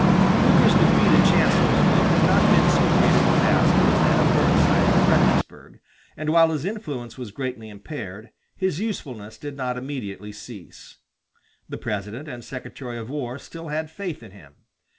Hooker's defeat at Chancellorsville had not been so great a disaster as that of Burnside at Fredericksburg; and while his influence was greatly impaired, his usefulness did not immediately cease. The President and the Secretary of War still had faith in him.